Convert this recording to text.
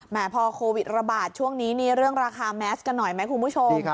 พอโควิดระบาดช่วงนี้นี่เรื่องราคาแมสกันหน่อยไหมคุณผู้ชม